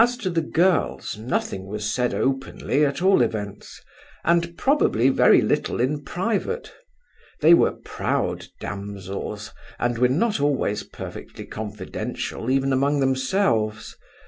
As to the girls, nothing was said openly, at all events; and probably very little in private. They were proud damsels, and were not always perfectly confidential even among themselves.